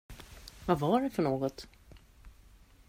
Vad var det för något?